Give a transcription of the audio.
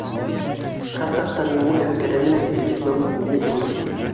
Хат авторының уй-фекере менән килешмәү мөмкин түгел.